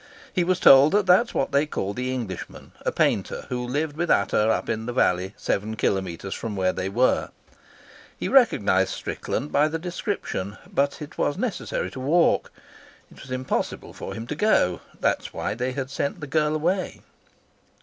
He was told that that was what they called the Englishman, a painter, who lived with Ata up in the valley seven kilometres from where they were. He recognised Strickland by the description. But it was necessary to walk. It was impossible for him to go; that was why they had sent the girl away.